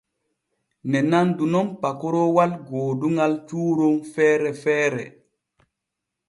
Ne nandu nun pakoroowal gooduŋal cuuron feere feere.